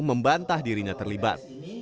membantah dirinya terlibat